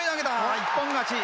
一本勝ち。